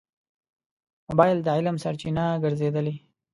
موبایل د علم سرچینه ګرځېدلې.